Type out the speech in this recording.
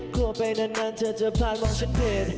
กลัวไปนานเธอจะผ่านหวังฉันผิด